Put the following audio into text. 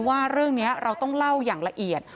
ว่าเรื่องนี้เราต้องเล่าอย่างละเอียด